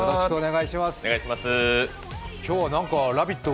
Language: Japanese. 今日はなんか「ラヴィット！」